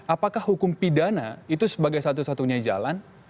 apakah hukum pidana itu sebagai satu satunya jalan